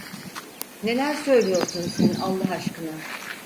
Neler söylüyorsun sen Allah aşkına?